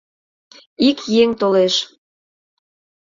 Ик еҥ толеш: